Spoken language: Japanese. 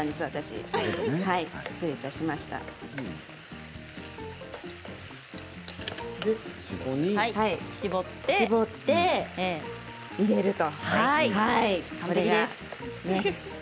そして絞って入れると。